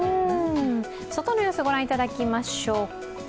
外の様子ご覧いただきましょうか。